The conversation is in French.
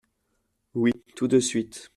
Oui, tout de suite.